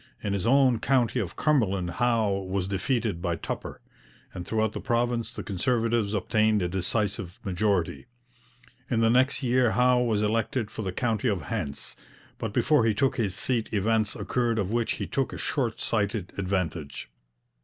In his own county of Cumberland Howe was defeated by Tupper, and throughout the province the Conservatives obtained a decisive majority. In the next year Howe was elected for the county of Hants, but before he took his seat events occurred of which he took a short sighted advantage.